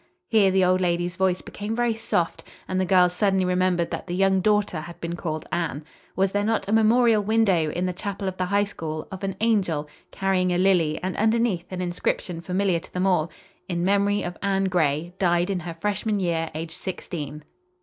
Here the old lady's voice became very soft, and the girls suddenly remembered that the young daughter had been called Anne. Was there not a memorial window, in the chapel of the High School, of an angel carrying a lily and underneath an inscription familiar to them all: "In Memory of Anne Gray, died in her freshman year, aged sixteen"?